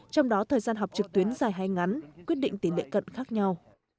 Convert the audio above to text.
trong đó thời gian học trực tuyến dài hay ngắn quyết định tỷ lệ cận khác nhau